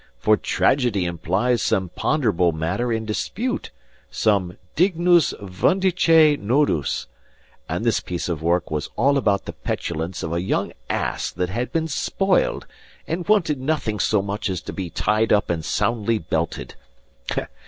"For tragedy implies some ponderable matter in dispute, some dignus vindice nodus; and this piece of work was all about the petulance of a young ass that had been spoiled, and wanted nothing so much as to be tied up and soundly belted.